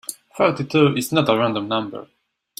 Forty-two is not a random number.